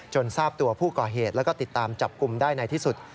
ทราบตัวผู้ก่อเหตุแล้วก็ติดตามจับกลุ่มได้ในที่สุด